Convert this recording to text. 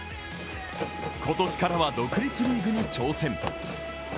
今年からは独立リーグに挑戦。